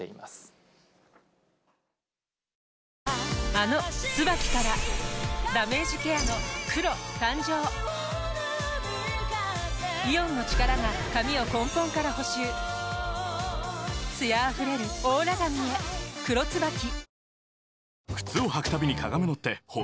あの「ＴＳＵＢＡＫＩ」からダメージケアの黒誕生イオンの力が髪を根本から補修艶あふれるオーラ髪へ「黒ＴＳＵＢＡＫＩ」